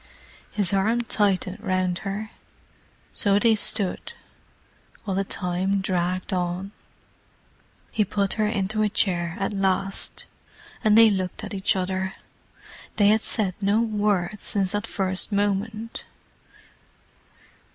His arm tightened round her. So they stood, while the time dragged on. He put her into a chair at last, and they looked at each other: they had said no word since that first moment.